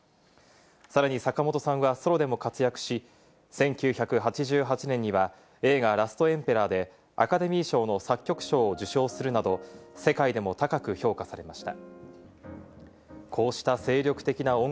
さらに坂本さんはソロでも活躍し、１９８８年には映画『ラストエンペラー』でアカデミー賞の作曲賞を受賞するなど、世界でも高く評価されました。